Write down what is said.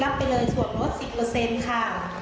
ไปเลยส่วนลด๑๐ค่ะ